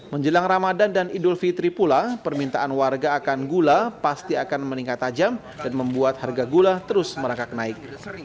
menjelang ramadan dan idul fitri pula permintaan warga akan gula pasti akan meningkat tajam dan membuat harga gula terus merangkak naik